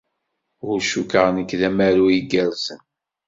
Ur cukkeɣ nekk d amaru igerrzen.